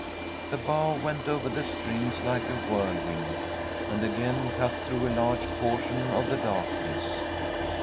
The bow went over the strings like a whirlwind, and again cut through a large portion of the darkness.